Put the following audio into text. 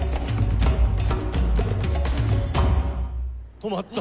止まった！